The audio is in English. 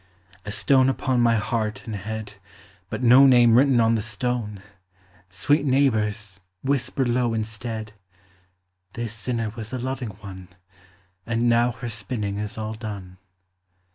A stone upon my heart and head, But no name written on the stone! Sweet neighbours, whisper low instead, "This sinner was a loving one, And now her spinning is all done."